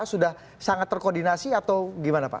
sudah sangat terkoordinasi atau gimana pak